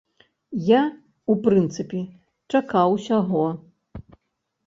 Я, у прынцыпе, чакаў усяго.